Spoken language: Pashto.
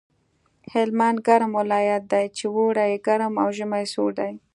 هلمند ګرم ولایت دی چې اوړی یې ګرم او ژمی یې سوړ دی